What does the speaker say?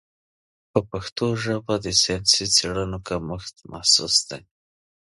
په پښتو ژبه د ساینسي څېړنو کمښت محسوس دی.